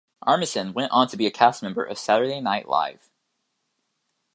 Armisen went on to be a cast member of "Saturday Night Live".